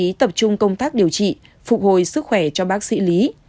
bác sĩ tập trung công tác điều trị phục hồi sức khỏe cho bác sĩ lý